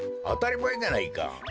あたりまえじゃないか。